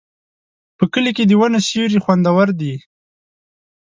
په کلي کې د ونو سیوري خوندور دي.